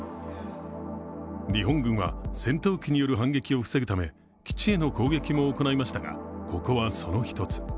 日本軍は、戦闘機による反撃を防ぐため基地への攻撃も行いましたが、ここはその一つ。